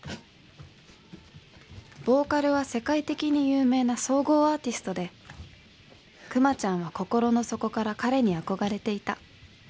「ボーカルは世界的に有名な総合アーティストで、くまちゃんは心の底から彼に憧れていた」。